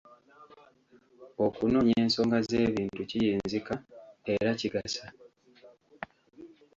Okunoonya ensonga z'ebintu kiyinzika, era kigasa.